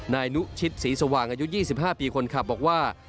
นายนุชิตศรีสว่างอายุ๒๕ปีคนขับบอกว่า